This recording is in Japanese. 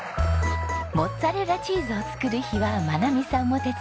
モッツァレラチーズを作る日は真奈美さんも手伝います。